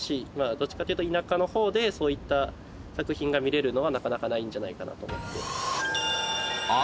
どっちかというと田舎の方でそういった作品が見れるのはなかなかないんじゃないかな。